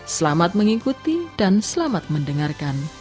selamat mengikuti dan selamat mendengarkan